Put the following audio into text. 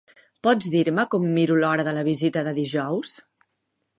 Pots dir-me com miro l'hora de la visita de dijous?